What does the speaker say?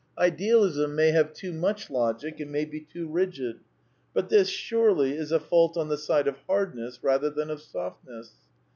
Idealism may have too much logic; it may be too rigid. But this, surely, is a fault on the side of hardness rather than of softness.